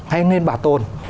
hay nên bảo tồn